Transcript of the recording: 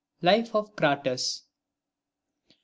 LIFE OF CRATES. I.